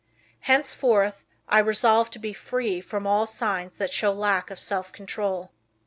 Henceforth I resolve to be free from all signs that show lack of self control."